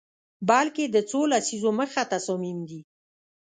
بلکه د څو لسیزو مخه تصامیم دي